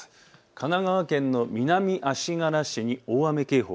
神奈川県の南足柄市に大雨警報。